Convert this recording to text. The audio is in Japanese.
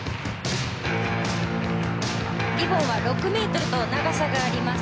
リボンは６ｍと長さがあります。